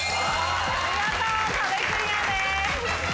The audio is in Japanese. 見事壁クリアです。